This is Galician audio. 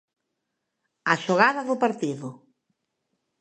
A xogada do partido.